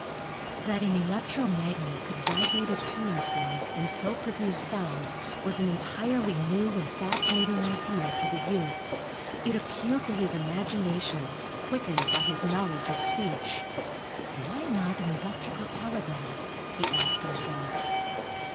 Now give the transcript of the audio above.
That an electro magnet could vibrate a tuning fork and so produce sound was an entirely new and fascinating idea to the youth. It appealed to his imagination, quickened by his knowledge of speech. "Why not an electrical telegraph?" he asked himself.